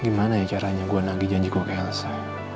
gimana ya caranya gue nagih janji gue ke elsa